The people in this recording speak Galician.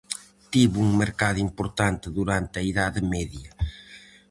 Tivo un mercado importante durante a Idade Media.